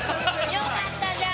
よかったじゃん！